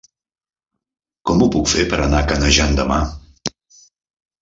Com ho puc fer per anar a Canejan demà?